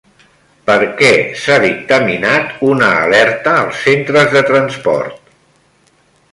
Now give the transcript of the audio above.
Per què s'ha dictaminat una alerta als centres de transport?